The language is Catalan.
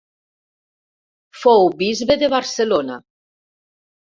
Fou bisbe de Barcelona.